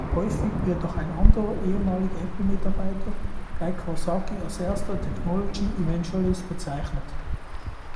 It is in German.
Häufig wird noch ein anderer ehemaliger Apple-Mitarbeiter, Guy Kawasaki, als erster „Technology Evangelist“ bezeichnet.